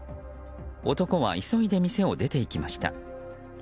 男は急いで店を出て行きました。